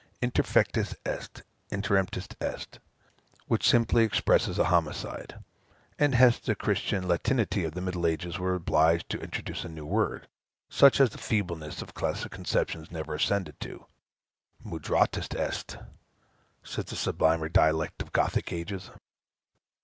Interfectus est, interemptus est which simply expresses a homicide; and hence the Christian Latinity of the middle ages was obliged to introduce a new word, such as the feebleness of classic conceptions never ascended to. Murdratus est, says the sublimer dialect of Gothic ages.